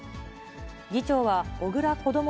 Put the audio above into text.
議長は、小倉こども